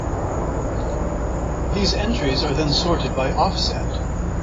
These entries are then sorted by offset.